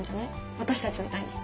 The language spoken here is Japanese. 私たちみたいに。